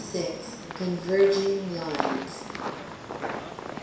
CONVERGING LINES.